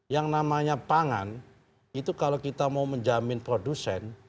yang namanya pangan itu kalau kita mau menjamin produsen